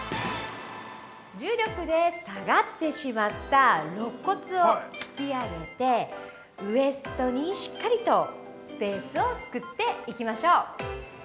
◆重力で下がってしまったろっ骨を引き上げてウエストにしっかりとスペースを作っていきましょう。